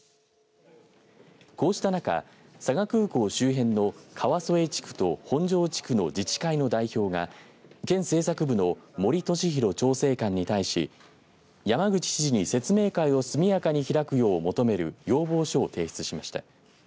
こうした中、佐賀空港周辺の川副地区と本庄地区の自治会の代表が県政策部の森俊大調整監に対し山口知事に説明会を速やかに開くよう求める要望書を提出しました。